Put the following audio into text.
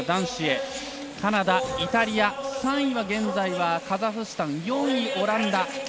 カナダ、イタリア３位は現在カザフスタン、４位はオランダ。